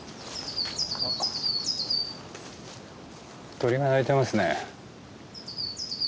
鳥が鳴いてますね。